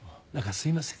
すいません。